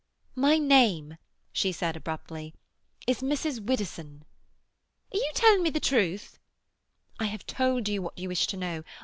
"My name," she said abruptly, "is Mrs. Widdowson." "Are you telling me the truth?" "I have told you what you wish to know.